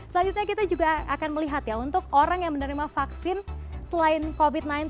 selanjutnya kita juga akan melihat ya untuk orang yang menerima vaksin selain covid sembilan belas